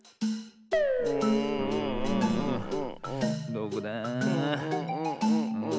どこだ。